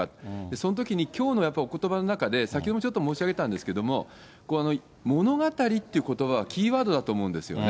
そのときに、きょうのおことばの中で、先ほどもちょっと申し上げたんですけれども、物語っていうことばはキーワードだと思うんですよね。